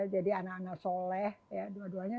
jadi anak anak soleh dua duanya